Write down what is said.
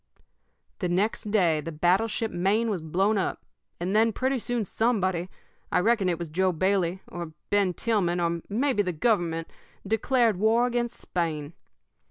"The next day the battleship Maine was blown up, and then pretty soon somebody I reckon it was Joe Bailey, or Ben Tillman, or maybe the Government declared war against Spain.